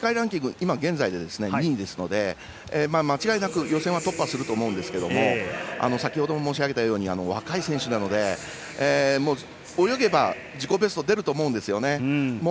今現在、２位ですので間違いなく予選は突破すると思いますが先ほども申し上げたように若い選手なので泳げば、自己ベストが出ると思うんですね。